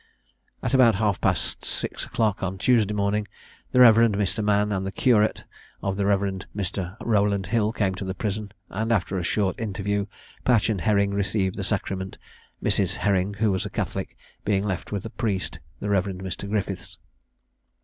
At about half past six o'clock on Tuesday morning, the Rev. Mr. Mann, and the curate of the Rev. Mr. Rowland Hill, came to the prison, and after a short interview Patch and Herring received the sacrament, Mrs. Herring, who was a Catholic, being left with a priest, the Rev. Mr. Griffiths.